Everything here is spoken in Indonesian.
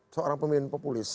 seorang pemimpin populis